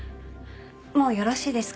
もうよろしいですか？